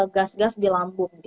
gas gas di lambung